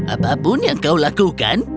apapun yang kau lakukan